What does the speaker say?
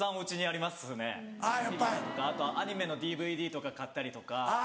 あとアニメのＤＶＤとか買ったりとか。